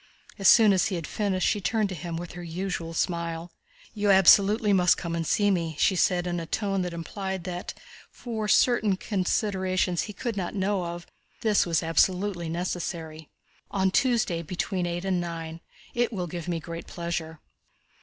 As soon as he had finished she turned to him with her usual smile. "You absolutely must come and see me," she said in a tone that implied that, for certain considerations he could not know of, this was absolutely necessary. "On Tuesday between eight and nine. It will give me great pleasure."